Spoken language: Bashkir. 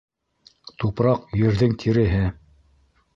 Тупраҡ - ерҙең тиреһе.